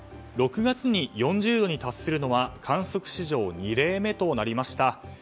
６月に４０度に達するのは観測史上２例目となりました。